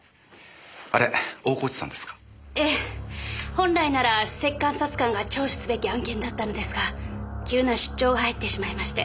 本来なら首席監察官が聴取すべき案件だったのですが急な出張が入ってしまいまして。